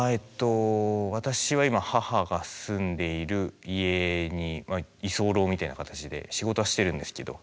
私は今母が住んでいる家に居候みたいな形で仕事はしてるんですけど。